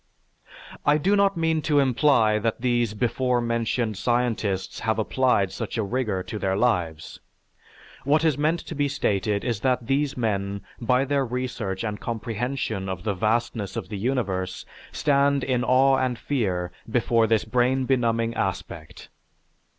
I do not mean to imply that these before mentioned scientists have applied such a rigor to their lives. What is meant to be stated is that these men by their research and comprehension of the vastness of the universe stand in awe and fear before this brain benumbing aspect.